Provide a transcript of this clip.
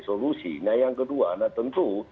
solusi nah yang kedua nah tentu